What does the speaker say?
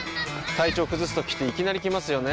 体調崩すときっていきなり来ますよね。